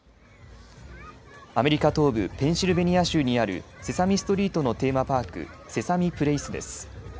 アメリカ東部ペンシルベニア州にあるセサミストリートのテーマパーク、セサミプレイスです。